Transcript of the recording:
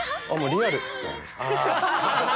リアル。